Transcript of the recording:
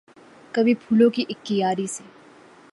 کبھی پھولوں کی اک کیاری سی